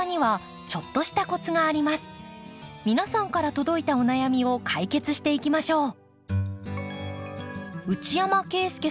皆さんから届いたお悩みを解決していきましょう。